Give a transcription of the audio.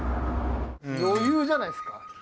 余裕じゃないですか。